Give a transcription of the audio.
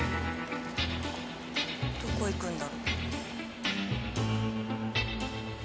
どこ行くんだろう？